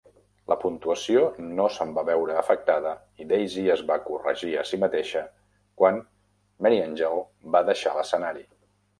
La puntuació no se'n va veure afectada i Daisy es va corregir a si mateixa quan Mariangel va deixar l'escenari.